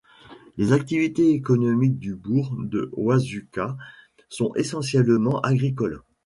Les activités économiques du bourg de Wazuka sont essentiellement agricoles.